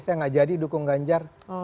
saya gak jadi dukung ganjar